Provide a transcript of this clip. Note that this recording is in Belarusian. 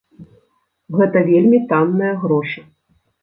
Гэта вельмі танныя грошы.